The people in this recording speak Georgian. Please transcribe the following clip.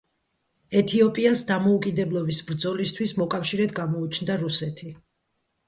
ეთიოპიას დამოუკიდებლობის ბრძოლისთვის მოკავშირედ გამოუჩნდა რუსეთი.